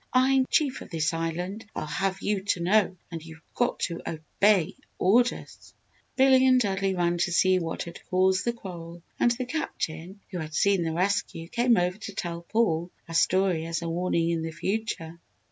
I'm Chief of this Island, I'll have you to know, and you've got to obey orders!" Billy and Dudley ran to see what had caused the quarrel and the Captain, who had seen the rescue, came over to tell Paul a story as a warning in the future.